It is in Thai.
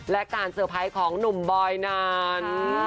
และการเซอร์ไพรส์ของหนุ่มบอยนั้น